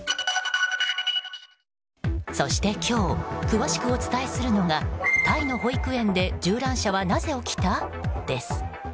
そして今日詳しくお伝えするのがタイの保育園で銃乱射はなぜ起きた？です。